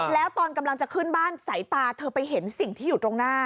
แล้วตอนกำลังจะขึ้นบ้านสายตาเธอไปเห็นสิ่งที่อยู่ตรงหน้า